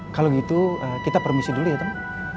kalau gitu kita permisi dulu ya kang